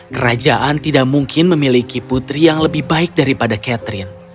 kerajaan tidak mungkin memiliki putri yang lebih baik daripada catherine